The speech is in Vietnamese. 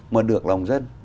mà được lòng dân